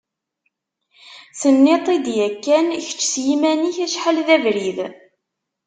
Tenniḍ-t-id yakan kečč s yiman-ik acḥal d abrid.